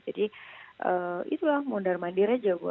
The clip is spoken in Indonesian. jadi itulah mundur mandir aja